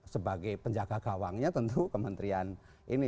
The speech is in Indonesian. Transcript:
sebagai penjaga gawangnya tentu kementerian ini